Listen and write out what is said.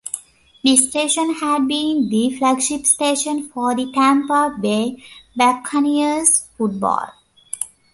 The station had been the flagship station for the Tampa Bay Buccaneers football.